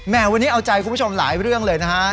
วันนี้เอาใจคุณผู้ชมหลายเรื่องเลยนะฮะ